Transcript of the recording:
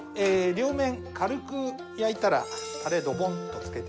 両面軽く焼いたらタレドボンとつけて。